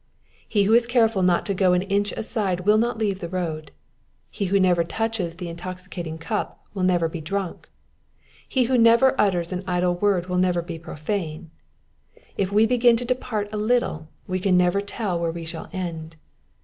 He who is careful not to go an inch aside will not leave the road. He who never touches the intoxicating cup will never be drunk. He who never utters an idle word will never bo profane. If we begin to depart a little we can never tell where we shall end.